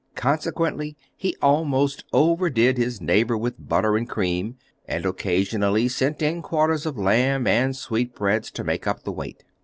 Consequently he almost overdid his neighbour with butter and cream, and occasionally sent in quarters of lamb and sweetbreads to make up the weight.